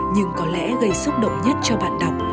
nhưng có lẽ gây xúc động nhất cho bạn đọc